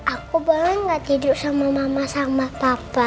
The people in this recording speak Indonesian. aku boleh gak tidur sama mama sama papa